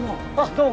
どうも。